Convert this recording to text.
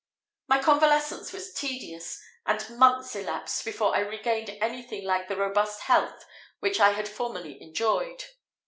My convalescence was tedious, and months elapsed before I regained anything like the robust health which I had formerly enjoyed.